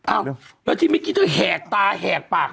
อ้าวแล้วที่เมื่อกี้เธอแหกตาแหกปาก